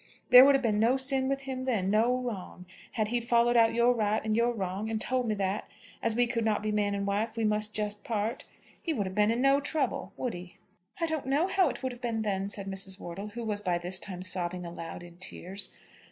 There would have been no sin with him then, no wrong. Had he followed out your right and your wrong, and told me that, as we could not be man and wife, we must just part, he would have been in no trouble; would he?" "I don't know how it would have been then," said Mrs. Wortle, who was by this time sobbing aloud in tears.